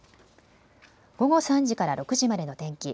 午後３時から６時までの天気。